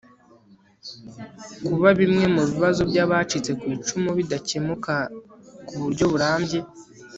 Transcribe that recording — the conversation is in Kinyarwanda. Kuba bimwe mu bibazo by abacitse ku icumu bidakemuka ku buryo burambye